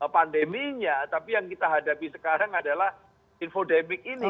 pandeminya tapi yang kita hadapi sekarang adalah infodemik ini